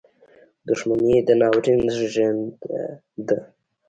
• دښمني د ناورین زېږنده ده.